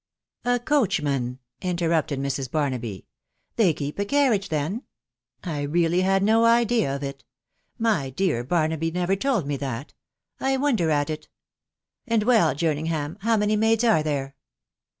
" A coachman !" interrupted Mrs. Barnabyj " they keep a carriage, then ?.... I really had no idea of it My dear Barnaby never told me that .... I wonder at it! ... And well, Jerningham, how many maids are there